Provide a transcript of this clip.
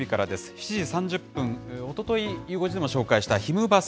７時３０分、おととい、ゆう５時でも紹介したひむバス！